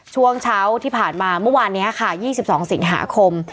ช่วงเช้าที่ผ่านมาเมื่อวานนี้ค่ะ๒๒สิงหาคม